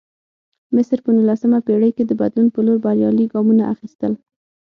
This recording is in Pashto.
مصر په نولسمه پېړۍ کې د بدلون په لور بریالي ګامونه اخیستل.